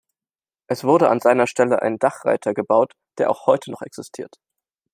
Es wurde an seiner Stelle ein Dachreiter gebaut, der auch heute noch existiert.